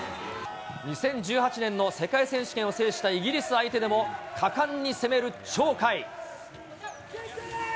２０１８年の世界選手権を制したイギリス相手でも、果敢に攻める鳥海。